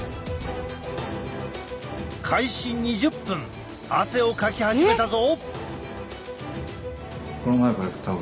開始２０分汗をかき始めたぞ！